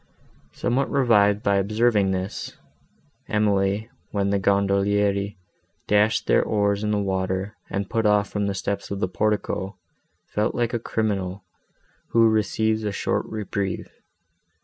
Somewhat revived by observing this, Emily, when the gondolieri dashed their oars in the water, and put off from the steps of the portico, felt like a criminal, who receives a short reprieve.